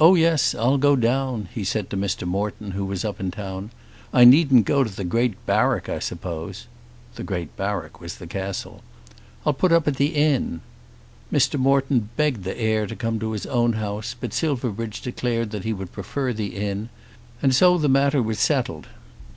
"Oh yes; I'll go down," he said to Mr. Morton, who was up in town. "I needn't go to the great barrack I suppose." The great barrack was the Castle. "I'll put up at the Inn." Mr. Morton begged the heir to come to his own house; but Silverbridge declared that he would prefer the Inn, and so the matter was settled.